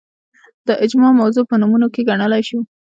د اجماع موضوع په نمونو کې ګڼلای شو